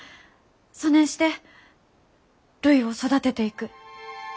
そねんしてるいを育てていく。